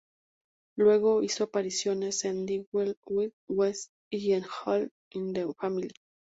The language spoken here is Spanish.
Luego, hizo apariciones en "The Wild Wild West" y en "All in the Family".